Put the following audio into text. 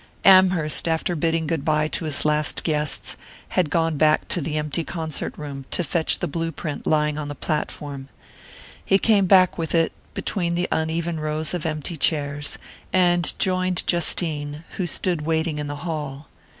Amherst, after bidding good bye to his last guests, had gone back to the empty concert room to fetch the blue print lying on the platform. He came back with it, between the uneven rows of empty chairs, and joined Justine, who stood waiting in the hall.